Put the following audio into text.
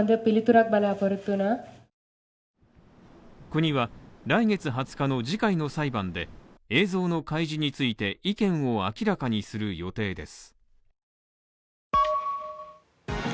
国は来月２０日の次回の裁判で、映像の開示について意見を明らかにする予定です。